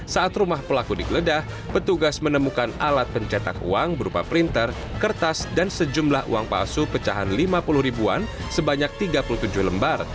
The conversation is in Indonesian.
saat rumah pelaku digeledah petugas menemukan alat pencetak uang berupa printer kertas dan sejumlah uang palsu pecahan lima puluh ribuan sebanyak tiga puluh tujuh lembar